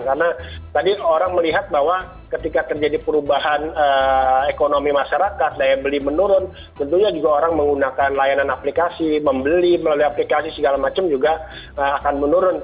karena tadi orang melihat bahwa ketika terjadi perubahan ekonomi masyarakat daya beli menurun tentunya juga orang menggunakan layanan aplikasi membeli melalui aplikasi segala macam juga akan menurun